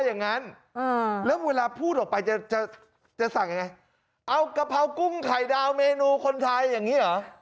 อย่างนั้นแล้วเวลาพูดออกไปจะจะสั่งยังไงเอากะเพรากุ้งไข่ดาวเมนูคนไทยอย่างนี้เหรอ